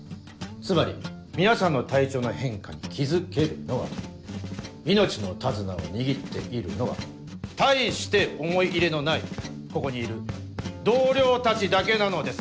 つまり皆さんの体調の変化に気付けるのは命の手綱を握っているのは大して思い入れのないここにいる同僚たちだけなのです。